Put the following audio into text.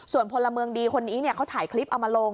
ส่วนพลเมืองดีคนนี้เขาถ่ายคลิปเอามาลง